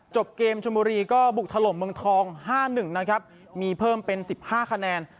จบเกมชนบุรีก็บุกถล่มเมืองทองห้าหนึ่งนะครับมีเพิ่มเป็นสิบห้าคะแนน